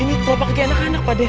ini telapak kaki anak anak pak deh